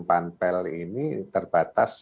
panpel ini terbatas